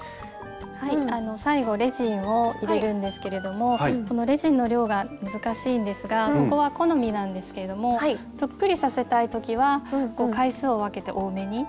はい最後レジンを入れるんですけれどもこのレジンの量が難しいんですがここは好みなんですけどもぷっくりさせたい時は回数を分けて多めに。